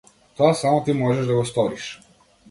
Тоа само ти можеш да го сториш.